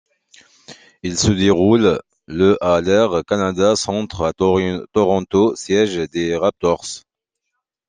Il se déroule le à l'Air Canada Centre à Toronto, siège des Raptors.